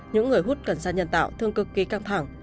những người hút cần xa nhân tạo thường cực kỳ căng thẳng